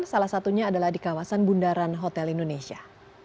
salah satunya adalah di kawasan bundaran hotel indonesia